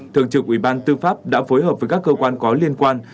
thượng trưởng uban tư pháp đã phối hợp với các cơ quan có liên quan